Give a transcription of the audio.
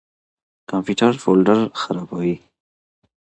کمپيوټر فولډر خراپوي.